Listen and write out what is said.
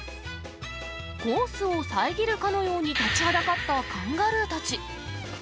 コースを遮るかのように立ちはだかったカンガルーたち。